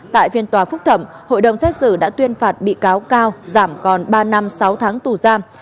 tại phiên tòa phúc thẩm hội đồng xét xử đã tuyên phạt bị cáo cao giảm còn ba năm sáu tháng tù giam